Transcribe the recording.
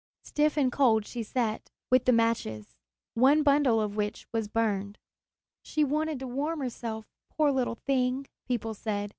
Stiff and cold she sat, with the matches, one bundle of which was burned. "She wanted to warm herself, poor little thing," people said.